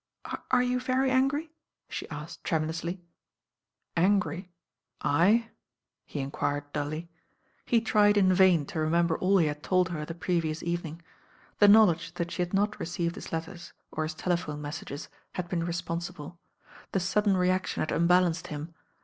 Are vou very angry?" she asked tremulously. ^" Angry I I?" he enquired dully. He tried m vain to remember all he had told her fot ^re^ir"^ r",'"^ '^^^^°^^^^^^'^^' «he had not received his letters, or his telephone message, S74 THE RAIN GIRL had been responsible. The sudden reaction had un balanced him.